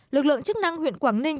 lực lượng chức năng huyện quảng ninh